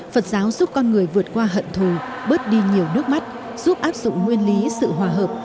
phật giáo giúp con người vượt qua hận thù bớt đi nhiều nước mắt giúp áp dụng nguyên lý sự hòa hợp